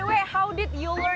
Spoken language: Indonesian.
bagaimana anda mempelajari